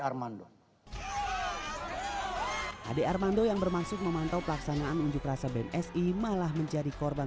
armando ade armando yang bermaksud memantau pelaksanaan unjuk rasa bmsi malah menjadi korban